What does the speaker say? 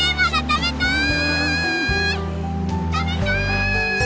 食べたい！